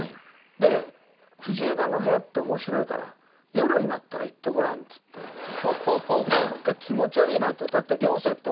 で藤枝の部屋って面白いから夜になったら行ってごらんっつってなんか気持ち悪いなと。